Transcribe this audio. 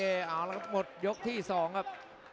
เอาละครับหมดยกที่๒ครับ